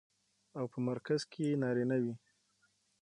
او په مرکز کې يې نارينه وي.